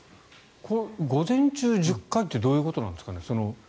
午前中１０回ってどういうことなんですかね。